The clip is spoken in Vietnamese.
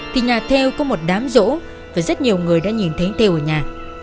thì nhà thêu có một đám rỗ và rất nhiều người đã nhìn thấy thêu ở nhà